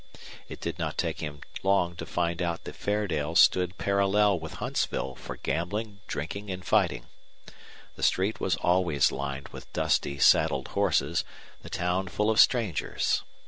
It did not take him long to find out that Fairdale stood parallel with Huntsville for gambling, drinking, and fighting. The street was always lined with dusty, saddled horses, the town full of strangers.